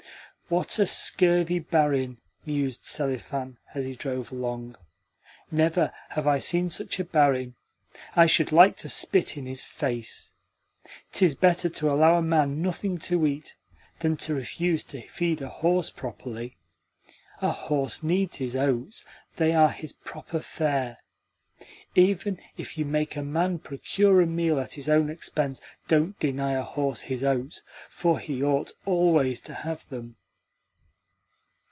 "What a scurvy barin!" mused Selifan as he drove along. "Never have I seen such a barin. I should like to spit in his face. 'Tis better to allow a man nothing to eat than to refuse to feed a horse properly. A horse needs his oats they are his proper fare. Even if you make a man procure a meal at his own expense, don't deny a horse his oats, for he ought always to have them."